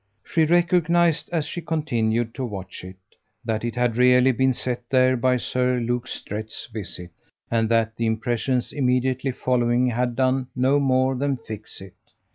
She recognised, as she continued to watch it, that it had really been set there by Sir Luke Strett's visit and that the impressions immediately following had done no more than fix it.